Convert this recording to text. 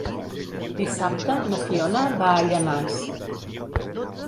Dissabte na Fiona va a Llanars.